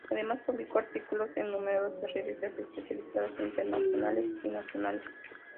Además publicó artículos en numerosas revistas especializadas internacionales y nacionales.